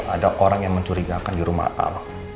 ada orang yang mencurigakan di rumah al